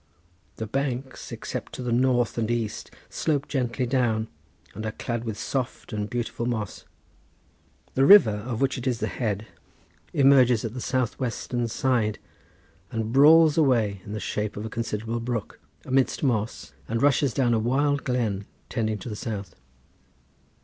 The banks, except to the north and east, slope gently down, and are clad with soft and beautiful moss. The river, of which it is the head, emerges at the south western side, and brawls away in the shape of a considerable brook, amidst moss and rushes down a wild glen tending to the south.